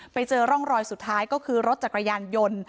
ไปเจอร่องรอยสุดท้ายก็คือรถจักรยานยนต์